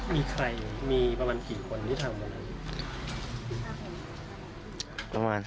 มีใครมีประมาณกี่คนที่ทำยังไง